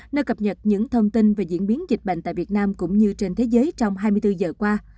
nơi cập nhật những thông tin về diễn biến dịch bệnh tại việt nam cũng như trên thế giới trong hai mươi bốn giờ qua